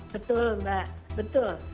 betul mbak betul